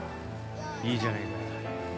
いいじゃねえか」